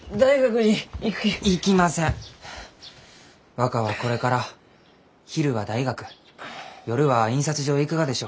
若はこれから昼は大学夜は印刷所へ行くがでしょ？